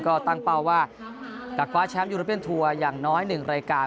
ก็ตั้งเป้าว่าจะคว้าแชมป์ยูโรเบียนทัวร์อย่างน้อย๑รายการ